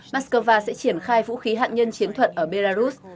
moscow sẽ triển khai vũ khí hạt nhân chiến thuật ở belarus